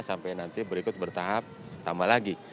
sampai nanti berikut bertahap tambah lagi